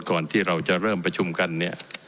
ก่อนที่เราจะเริ่มประชุมกันเนี่ย